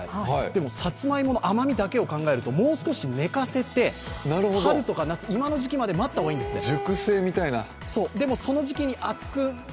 でも、さつまいもの甘みだけを考えるともう少し寝かせて、春とか夏まで待った方がいいんですって。